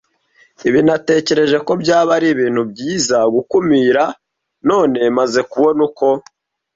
ibi, natekereje, byaba ari ibintu byiza gukumira, none maze kubona uko